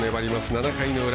７回の裏。